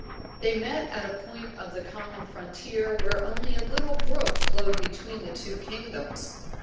"'They met at a point of the common frontier where only a little brook flowed between the two kingdoms.